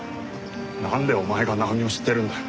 なんでお前が奈穂美を知ってるんだ？